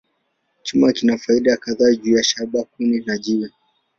Chuma kina faida kadhaa juu ya shaba, kuni, na jiwe.